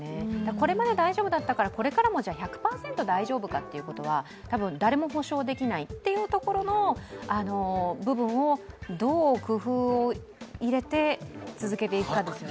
これまで大丈夫だったからこれからも１００％大丈夫かということは多分、誰も保証できないっていうところの部分をどう工夫を入れて続けていくかですよね。